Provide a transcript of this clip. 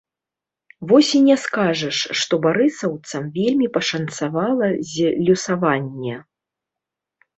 Вось і не скажаш, што барысаўцам вельмі пашанцавала з лёсаванне.